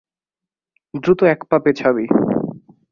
দ্রুত এক পা পেছাবি।